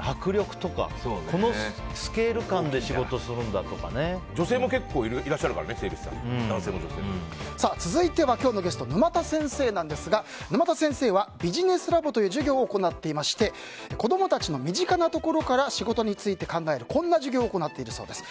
迫力とかこのスケール感で女性も結構いらっしゃるからね続いては、今日のゲスト沼田先生なんですが沼田先生はビジネスラボという授業を行っていまして子供たちの身近なところから仕事について考える、こんな授業を行っているそうです。